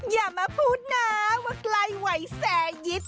อย่ามาพูดนะว่าใกล้ไหวแสยิต